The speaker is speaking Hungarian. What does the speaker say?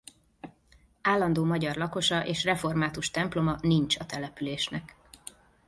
Állandó magyar lakosa és református temploma nincs a településnek.